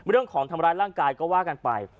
เรื่องของทำร้ายร่างกายก็ว่ากันไป